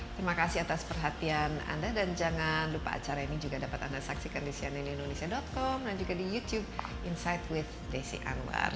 terima kasih atas perhatian anda dan jangan lupa acara ini juga dapat anda saksikan di cnnindonesia com dan juga di youtube insight with desi anwar